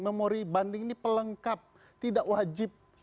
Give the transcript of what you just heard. memori banding ini pelengkap tidak wajib